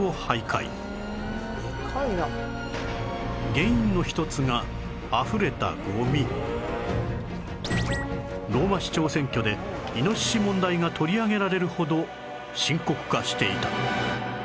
原因の一つがローマ市長選挙でイノシシ問題が取り上げられるほど深刻化していた